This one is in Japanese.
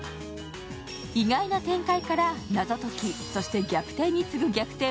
意外な展開から謎解き、そして逆転に次ぐ逆転